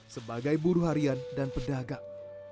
sebagai buruh harian dan pedagang